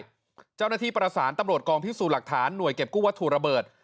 เจ้าหน้าที่ประสานตำรวจกองพิสูจน์หลักฐานหน่วยเก็บกู้วัตถุระเบิด